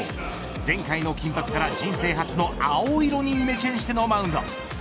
前回の金髪から人生初の青色にイメチェンしてのマウンド。